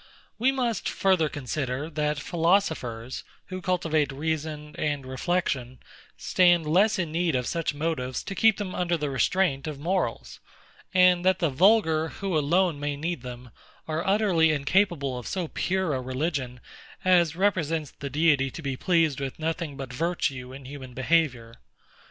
We must further consider, that philosophers, who cultivate reason and reflection, stand less in need of such motives to keep them under the restraint of morals; and that the vulgar, who alone may need them, are utterly incapable of so pure a religion as represents the Deity to be pleased with nothing but virtue in human behaviour.